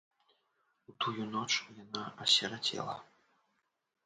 У тую ноч яна асірацела.